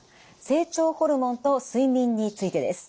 成長ホルモンと睡眠についてです。